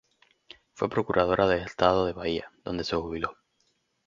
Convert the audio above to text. Fue Procuradora del Estado de Bahía, donde se jubiló.